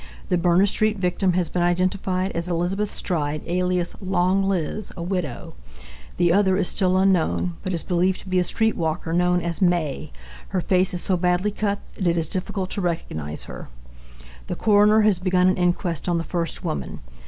The Berner street victim has been identified as Elizabeth Stride alias "Long Liz," a widow. The other is still unknown, but is believed to be a streetwalker known as "May." Her face is so badly cut that it is difficult to recognize her. The Coroner has begun an inquest on the first woman.